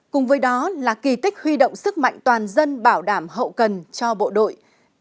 cùng với đó là kỳ tích huy động sức mạnh toàn dân bảo đảm hậu cần cho bộ đội